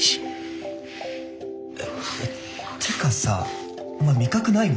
てかさお前味覚ないの？